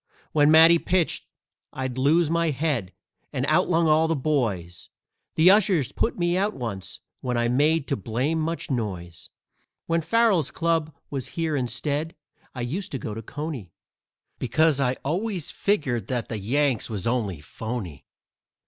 When Matty pitched I'd lose my head and outlung all the boys The ushers put me out once, when I made too blame much noise. When Farrell's club was here instead, I used to go to Coney, Because I always figgered that the Yanks was only phony.